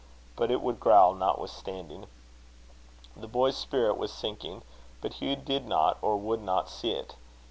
But it would growl notwithstanding. The boy's spirit was sinking; but Hugh did not or would not see it.